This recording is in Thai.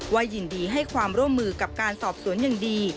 ยินดีให้ความร่วมมือกับการสอบสวนอย่างดี